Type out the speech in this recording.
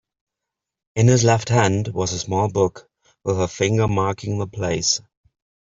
In his left hand was a small book with a finger marking the place.